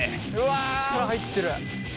力入ってる。